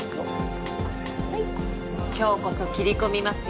今日こそ切り込みますよ